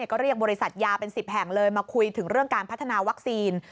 ก็เรียกบริษัทยาเป็น๑๐แห่งเลยมาคุยถึงเรื่องการพัฒนาวัคซีน